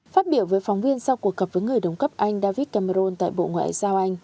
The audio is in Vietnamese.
phát biểu với phóng viên sau cuộc gặp với người đồng cấp anh david cameron tại bộ ngoại giao anh